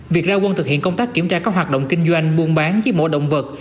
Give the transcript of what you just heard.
việc ra quân thực hiện công tác kiểm tra các hoạt động kinh doanh buôn bán giết mổ động vật